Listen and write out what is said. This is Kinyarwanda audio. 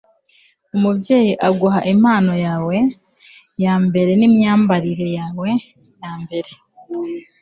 umubyeyi aguha impano yawe yambere nimyambarire yawe ya mbere